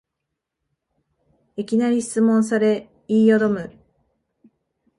いきなり質問され言いよどむ